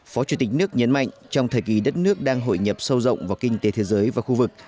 phó chủ tịch nước nhấn mạnh trong thời kỳ đất nước đang hội nhập sâu rộng vào kinh tế thế giới và khu vực